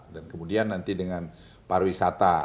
dan kemudian nanti dengan para wisata